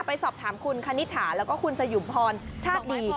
ไปสอบถามคุณคณิตถาแล้วก็คุณสยุมพรชาติดี